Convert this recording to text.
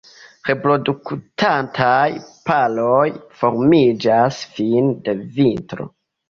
Reproduktantaj paroj formiĝas fine de vintro.